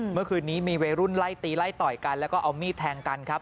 เมื่อคืนนี้มีวัยรุ่นไล่ตีไล่ต่อยกันแล้วก็เอามีดแทงกันครับ